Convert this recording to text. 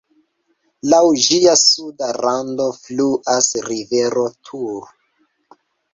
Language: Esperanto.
Laŭ ĝia suda rando fluas rivero Tur.